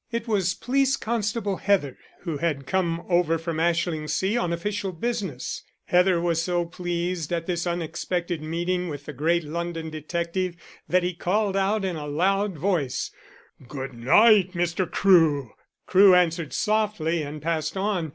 It was Police Constable Heather who had come over from Ashlingsea on official business. Heather was so pleased at this unexpected meeting with the great London detective that he called out in a loud voice: "Good night, Mr. Crewe." Crewe answered softly and passed on.